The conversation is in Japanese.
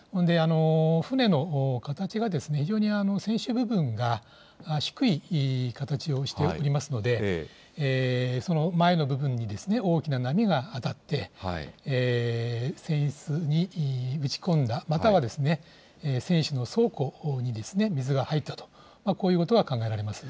船の形が、非常に船首部分が低い形をしておりますので、前の部分に大きな波が当たって、船室に打ち込んだ、または船首の倉庫に水が入ったと、こういうことが考えられます。